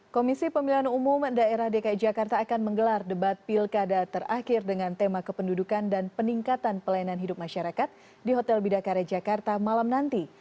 komisi pemilihan umum daerah dki jakarta akan menggelar debat pilkada terakhir dengan tema kependudukan dan peningkatan pelayanan hidup masyarakat di hotel bidakare jakarta malam nanti